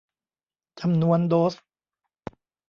จำนวนโดส